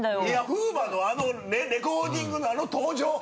風磨のあのレコーディングのあの登場。